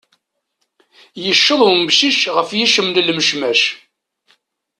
Yecceḍ umcic ɣef yiclem n lmecmac.